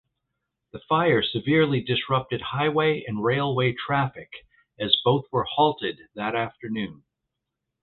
The fire severely disrupted highway and railway traffic as both were halted that afternoon.